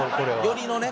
寄りのね。